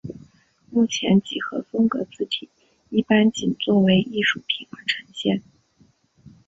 目前几何风格字体一般仅作为艺术品而呈现。